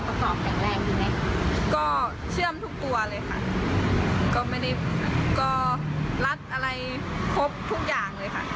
ประกอบแข็งแรงดีไหมก็เชื่อมทุกตัวเลยค่ะก็ไม่ได้ก็รัดอะไรครบทุกอย่างเลยค่ะ